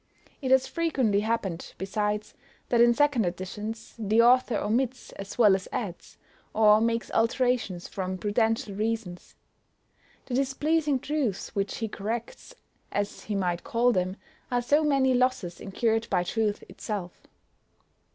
It has frequently happened, besides, that in second editions, the author omits, as well as adds, or makes alterations from prudential reasons; the displeasing truths which he corrects, as he might call them, are so many losses incurred by Truth itself.